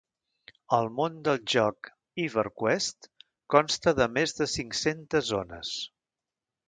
El món del joc "EverQuest" consta de més de cinc-centes zones.